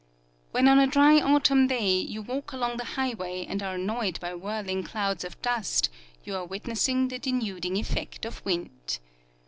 When on a dry autumn day you walk along the highway and are annoyed by whirling clouds of dust, you are witnessing the denuding effect of wind.